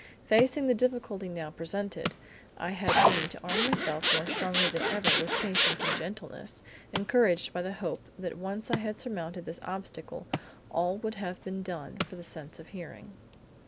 Facing the difficulty now presented, I had need to arm myself more strongly than ever with patience and gentleness, encouraged by the hope that once I had surmounted this obstacle all would have been done for the sense of hearing.